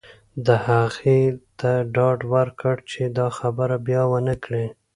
ما هغې ته ډاډ ورکړ چې دا خبره بیا ونه کړې